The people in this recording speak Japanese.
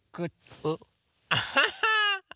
うっアハハ！